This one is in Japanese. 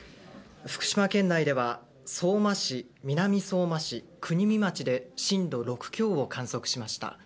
福島県内では相馬市、南相馬市国見町で震度６強を観測しました。